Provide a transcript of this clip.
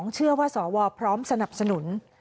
เชื่อว่าสวพร้อมสนับสนุน